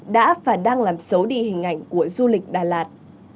đã và đang làm xấu đi hình ảnh của du lịch đà lạt